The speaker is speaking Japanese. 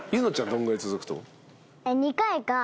どんぐらい続くと思う？